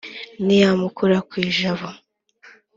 ntiyamukura ku ijabo.